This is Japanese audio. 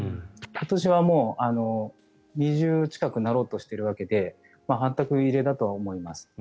今年はもう２０近くなろうとしているわけで全く異例だとは思います。